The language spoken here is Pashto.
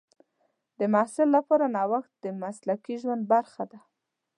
د محصل لپاره نوښت د مسلکي ژوند برخه ده.